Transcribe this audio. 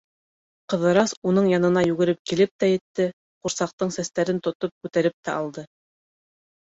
Ҡыҙырас уның янына йүгереп килеп тә етте, ҡурсаҡтың сәстәренән тотоп күтәреп тә алды.